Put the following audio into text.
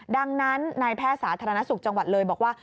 ดังนั้นนายแพทย์สาธารณสุขจังหวัดเลยบอกว่า